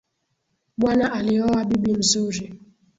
Bwana alioa bibi mzuri